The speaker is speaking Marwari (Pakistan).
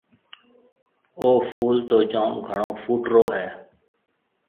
اَو ڦول تو جوم گھڻو ڦوٽرو هيَ۔